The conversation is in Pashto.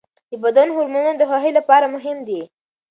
د بدن هورمونونه د خوښۍ لپاره مهم دي.